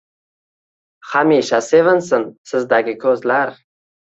Xamisha sevinsin sizdagi kuzlar